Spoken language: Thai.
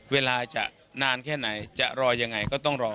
เวลาจะนานแค่ไหนจะรอยังไงก็ต้องรอ